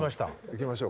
いきましょうか。